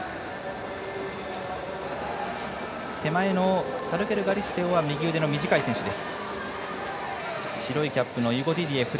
手前のサルゲルガリステオは右腕の短い選手です。